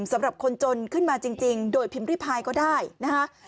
สำหรับคนจนขึ้นมาจริงโดยพิมพ์ริพายก็ได้นะคะ